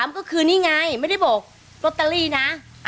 ก็คือนี่ไงไม่ได้บอกลอตเตอรี่นะ